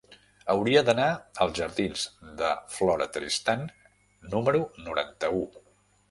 Hauria d'anar als jardins de Flora Tristán número noranta-u.